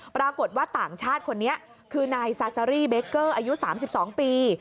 ปรากฏว่าต่างชาติคนนี้คือไนซาเลยเบ๊กเกอร์อายุ๓๒ปี